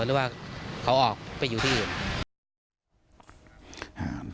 หรือว่าเขาออกไปอยู่ที่อื่น